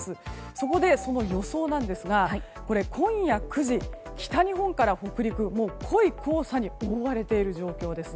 そこで、その予想なんですが今夜９時、北日本から北陸は濃い黄砂に覆われている状況です。